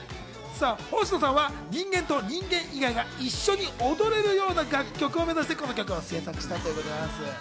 星野さんは人間と人間以外が一緒に踊れるような楽曲を目指してこの曲を制作したということでございます。